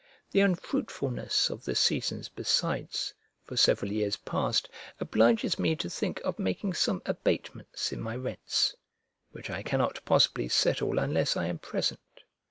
The unfruitfulness of the seasons besides, for several years past, obliges me to think of making some abatements in my rents; which I cannot possibly settle unless I am present.